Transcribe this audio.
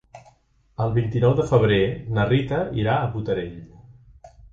El vint-i-nou de febrer na Rita irà a Botarell.